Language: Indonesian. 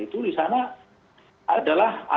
itu sudah disebut bahkan di dalam undang undang ormas juga